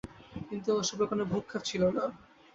কিন্তু ওসবে কোনো ভ্রূক্ষেপ ছিল না।